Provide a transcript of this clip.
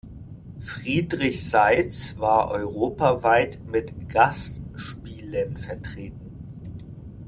Friedrich Seitz war europaweit mit Gastspielen vertreten.